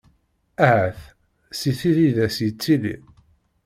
Ahat si tid i d as-yettilin?